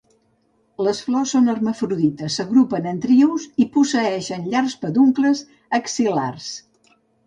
Les flors són hermafrodites, s'agrupen en trios i posseeixen llargs peduncles axil·lars.